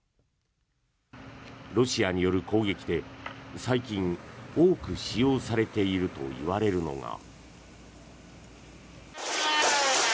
ロシアによる攻撃で最近、多く使用されているといわれるのが。